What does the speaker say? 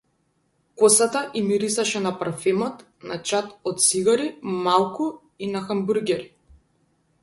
Косата ѝ мирисаше на парфемот, на чад од цигари, малку и на хамбургери.